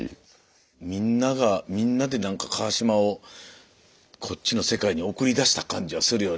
みんながみんなでなんか川島をこっちの世界に送り出した感じはするよね。